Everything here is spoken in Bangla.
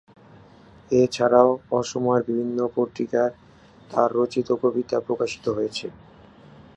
এছাড়াও অসমের বিভিন্ন পত্রিকায় তার রচিত কবিতা প্রকাশিত হয়েছে।